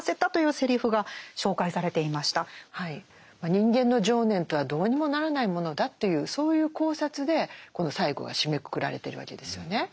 人間の情念とはどうにもならないものだというそういう考察でこの最後が締めくくられてるわけですよね。